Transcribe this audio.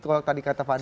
kalau tadi kata fadli